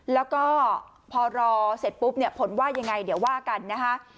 แล้วก็พอรอเสร็จปุ๊บเนี่ยผลว่ายังไงเดี๋ยวว่ากันนะคะ